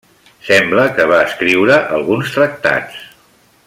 Sembla que va escriure alguns tractats.